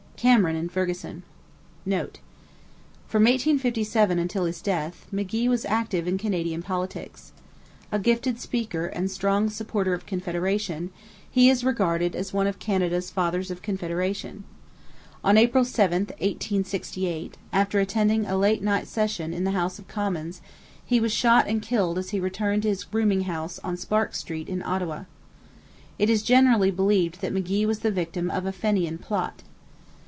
CAMERON & FERGUSON. [Note: From 1857 until his death, McGee was active in Canadian politics. A gifted speaker and strong supporter of Confederation, he is regarded as one of Canada's fathers of Confederation. On April 7, 1868, after attending a late night session in the House of Commons, he was shot and killed as he returned to his rooming house on Sparks Street in Ottawa. It is generally believed that McGee was the victim of a Fenian plot.